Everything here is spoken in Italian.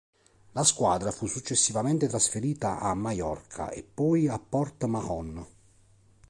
La squadra fu successivamente trasferita a Maiorca, e poi a Port Mahon.